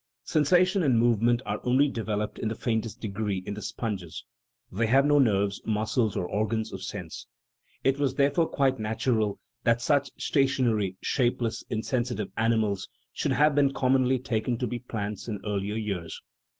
Sensation and movement are only developed in the faintest degree in the sponges ; they have no nerves, muscles, or organs of sense. It was therefore quite natural that such stationary, shapeless, insensitive animals should have been commonly taken to be plants in earlier years.